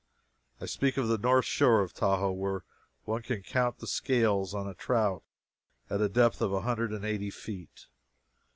I speak of the north shore of Tahoe, where one can count the scales on a trout at a depth of a hundred and eighty feet.